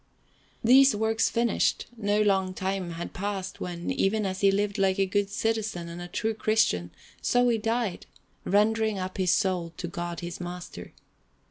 These works finished, no long time had passed when, even as he had lived like a good citizen and a true Christian, so he died, rendering up his soul to God his Master.